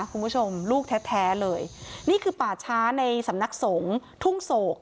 ลูกแท้แท้เลยนี่คือป่าช้าในสำนักสงฆ์ทุ่งโศก